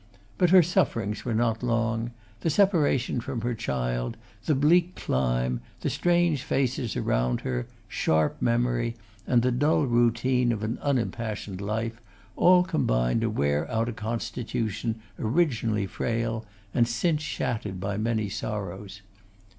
But her sufferings were not long; the separation from her child, the bleak clime, the strange faces around her, sharp memory, and the dull routine of an unimpassioned life, all combined to wear out a constitution originally frail, and since shattered by many sorrows.